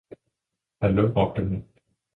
"Hallo!" råbte hun.